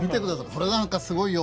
これなんかすごいよ。